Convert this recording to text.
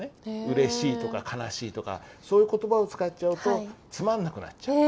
うれしいとか悲しいとかそういう言葉を使っちゃうとつまんなくなっちゃう。